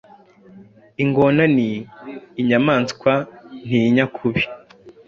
ingona ni inyamaswa ntinya kubi